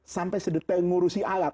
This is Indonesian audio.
sampai sedetail ngurusi alat